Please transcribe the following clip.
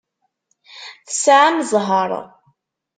Tesɛam zzheṛ.